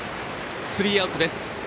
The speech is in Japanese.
スリーアウトです。